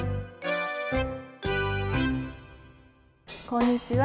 こんにちは。